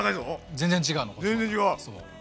全然違う！